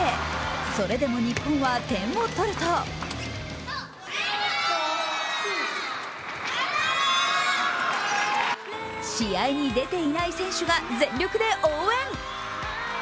それでも日本は点を取ると試合に出ていない選手が全力で応援。